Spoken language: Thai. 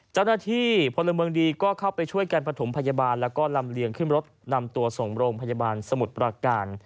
เจ้าหน้าที่พลเมืองดีก็เข้าไปช่วยกันประถมพยาบาลแล้วก็ลำเลียงขึ้นรถนำตัวส่งโรงพยาบาลสมุทรประการ